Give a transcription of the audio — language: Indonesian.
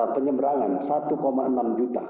penyeberangan satu enam juta